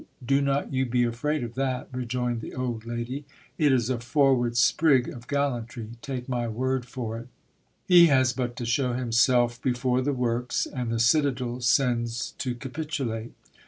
do not you be afraid of that, rejoined the old lady ; it is a forward sprig of gallantry, take my word for it. He has but to shew himself before the works, and the citadel sends to capitulate.